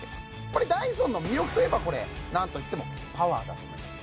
これダイソンの魅力といえばなんと言ってもパワーだと思います